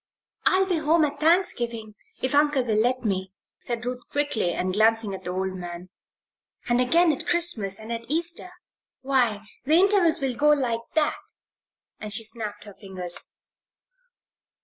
"I'll be home at Thanksgiving if Uncle will let me," said Ruth, quickly, and glancing at the old man; "and again at Christmas, and at Easter. Why, the intervals will go like that," and she snapped her fingers.